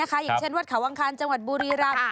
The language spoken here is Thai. อย่างเช่นวัดเขาอังคารจังหวัดบุรีรำ